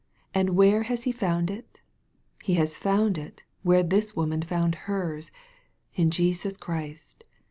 And where has he found it ? He has found it, where this woman found her's, in Jesus Christ.